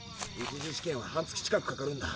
１次試験は半月近くかかるんだ。